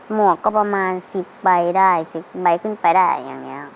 หวกก็ประมาณ๑๐ใบได้๑๐ใบขึ้นไปได้อย่างนี้ครับ